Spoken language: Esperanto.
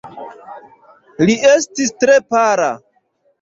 Li estis tre pala.